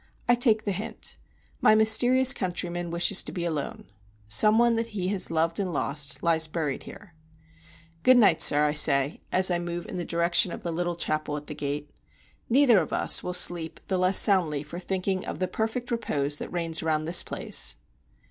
I take the hint. My mysterious countryman wishes to be alone. Some one that he has loved and lost lies buried here. "Good night, sir," I say, as I move in the direction of the little chapel at the gate. "Neither of us will sleep the less soundly for thinking of the perfect repose that reigns around this place."